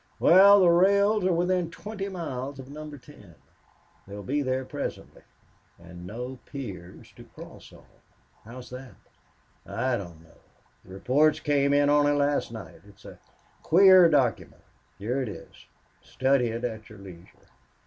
"Well, the rails are within twenty miles of Number Ten. They'll be there presently and no piers to cross on." "How's that?" "I don't know. The report came in only last night. It's a queer document. Here it is. Study it at your leisure....